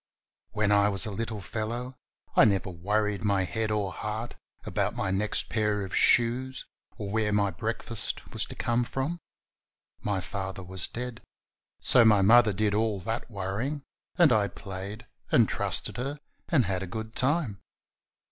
When I was a little fellow I never worried 'Tiy head or heart about my next pair of shoes, or where my breakfast was to come from. My father was dead, so my mother did all that worrying, and I played and trusted her and had a good time.